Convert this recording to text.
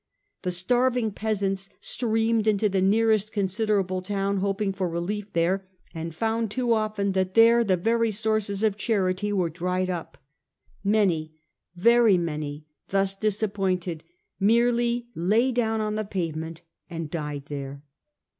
The starving pea sants streamed into the nearest considerable town hoping for relief there, and found too often that there the very sources of charily were dried up. Many, very many, thus disappointed, merely lay down on the pavement and died there.